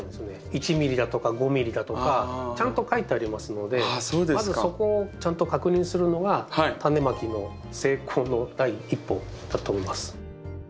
１ｍｍだとか５ｍｍだとかちゃんと書いてありますのでまずそこをちゃんと確認するのがタネまきの成功の第一歩だと思います。